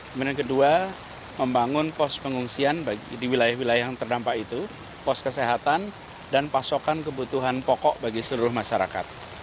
kemudian kedua membangun pos pengungsian di wilayah wilayah yang terdampak itu pos kesehatan dan pasokan kebutuhan pokok bagi seluruh masyarakat